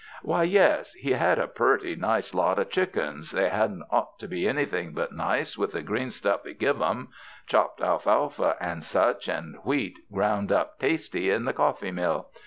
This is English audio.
Why, yes, he had a purty nice lot of chickens; they hadn't ought to be anything but nice with the green stufT he giv' 'em — chopped alfalfa and such, and wheat ground up tasty in the coffee mill.